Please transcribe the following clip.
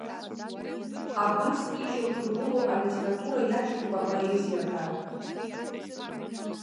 Абас ишьақәыргылоу алитература иашьҭоуп апоезиа ҳәа.